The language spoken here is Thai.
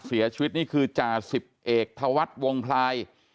เสียชีวิตนี่คือจ่า๑๐เอกเทวัตล์วงภลาย